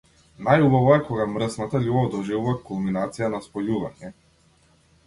Најубаво е кога мрсната љубов доживува кулминација на спојување.